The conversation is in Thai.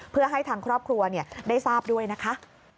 เพื่อให้ทางครอบครัวได้ทราบด้วยนะคะ